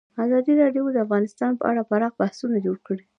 ازادي راډیو د اقتصاد په اړه پراخ بحثونه جوړ کړي.